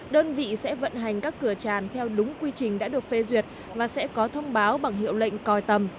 đơn vị sẽ vận hành các cửa tràn theo đúng quy trình đã được phê duyệt mà sẽ có thông báo bằng hiệu lệnh còi tầm